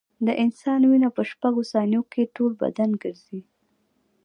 د انسان وینه په شپږو ثانیو کې ټول بدن ګرځي.